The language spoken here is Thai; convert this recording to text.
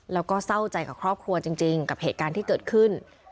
แล้วก็เศร้าใจกับครอบครัวจริงกับเหตุการณ์ที่เกิดขึ้น